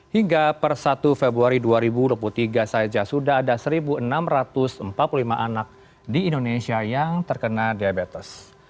hingga per satu februari dua ribu dua puluh tiga saja sudah ada satu enam ratus empat puluh lima anak di indonesia yang terkena diabetes